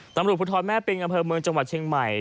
ตำรวจภูทรแม่ปิงอำเภอเมืองจังหวัดเชียงใหม่